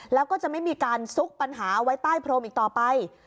แล้วก็จะไม่มีการซุกปัญหาเอาไว้ใต้พรมอีกต่อไป